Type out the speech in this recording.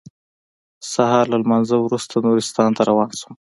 سهار له لمانځه وروسته نورستان ته روان شوم.